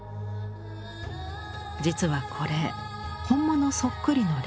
実はこれ本物そっくりのレプリカ。